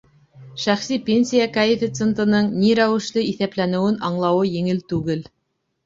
Шәхси пенсия коэффициентының ни рәүешле иҫәпләнеүен аңлауы еңел түгел.